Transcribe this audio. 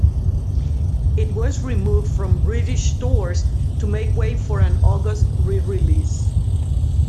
It was removed from British stores to make way for an August re-release.